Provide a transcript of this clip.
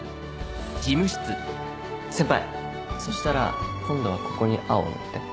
先輩そしたら今度はここに青を塗って。